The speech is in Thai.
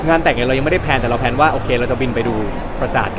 งานแต่งเรายังไม่ได้แพลนแต่เราแพลนว่าโอเคเราจะบินไปดูประสาท